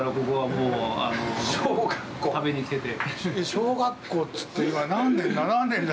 小学校っつって、何年だ？